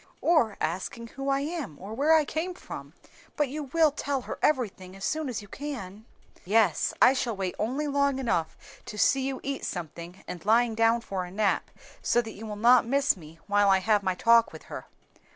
"Or asking who I am or where I came from. But you will tell her everything as soon as you can?" "Yes; I shall wait only long enough to see you eat something and lying down for a nap, so that you will not miss me while I have my talk with her."